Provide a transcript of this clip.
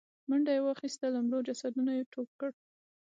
منډه يې واخيسته، له مړو جسدونو يې ټوپ کړل.